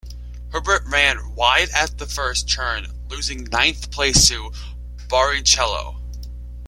Herbert ran wide at the first turn, losing ninth place to Barrichello.